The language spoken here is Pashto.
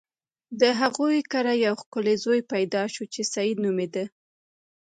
د هغوی کره یو ښکلی زوی پیدا شو چې سید نومیده.